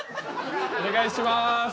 お願いします。